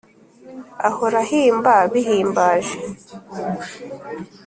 Ahora ahimba bihimbaje